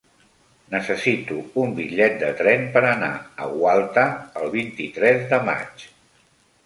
Necessito un bitllet de tren per anar a Gualta el vint-i-tres de maig.